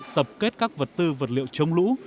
tập kết các vật tư vật liệu chống lụt